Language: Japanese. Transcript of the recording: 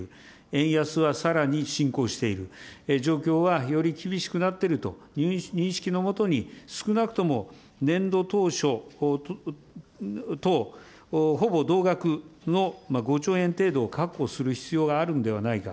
円安はさらに進行している、状況は、より厳しくなっているという認識のもとに、少なくとも年度当初とほぼ同額の５兆円程度を確保する必要があるんではないか。